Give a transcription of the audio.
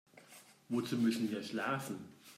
Wozu müssen wir schlafen?